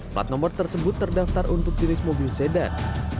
plat nomor tersebut terdaftar untuk jenis mobil sedan